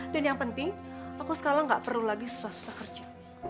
dan yang penting aku sekarang gak perlu lagi susah susah kerja